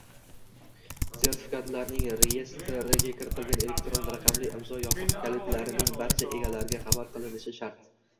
sertifikatlarining reyestriga kiritilgan elektron raqamli imzo yopiq kalitlarining barcha egalariga xabar qilishi shart.